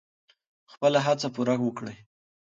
خپله هڅه پوره وکړئ.